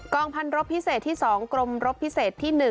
องพันรบพิเศษที่๒กรมรบพิเศษที่๑